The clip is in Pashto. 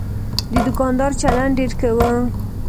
د دوکاندار چلند ډېر ښه و.